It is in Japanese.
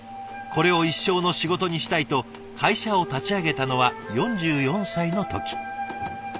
これを一生の仕事にしたいと会社を立ち上げたのは４４歳の時。